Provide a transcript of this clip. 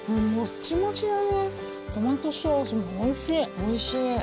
おいしい。